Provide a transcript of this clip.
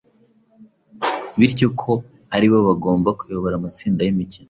bityo ko ari bo bagomba kuyobora amatsinda y’imikino,